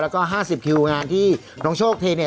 แล้วก็๕๐คิวงานที่น้องโชคเทเนี่ย